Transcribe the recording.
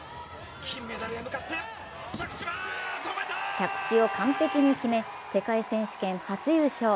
着地を完璧に決め世界選手権初優勝。